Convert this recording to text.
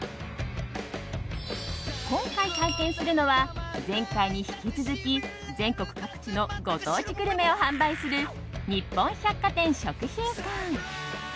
今回、探検するのは前回に引き続き全国各地のご当地グルメを販売する日本百貨店しょくひんかん。